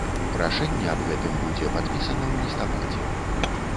Рашэнне аб гэтым будзе падпісана ў лістападзе.